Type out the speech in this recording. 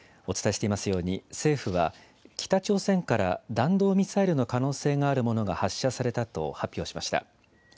お伝えしていますように、政府は、北朝鮮から弾道ミサイルの可能性があるものが発射されたと発表しました。